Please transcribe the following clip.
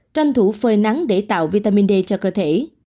tranh thủ phơi nắng để tạo vitamin d cho cơ thể